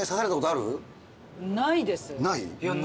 ないです。